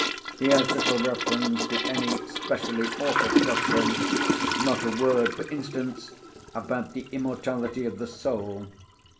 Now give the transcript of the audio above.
He has little reference to any specially Orphic doctrine; not a word, for instance, about the immortality of the soul.